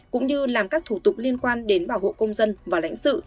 cũng như làm các thủ tục liên quan đến bảo hộ công dân và lãnh sự